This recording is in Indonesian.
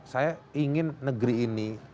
saya ingin negeri ini